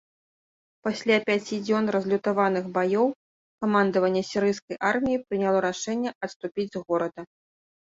Пасля пяці дзён разлютаваных баёў, камандаванне сірыйскай арміі прыняло рашэнне адступіць з горада.